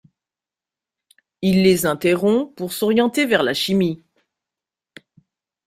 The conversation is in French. Il les interrompt pour s’orienter vers la chimie.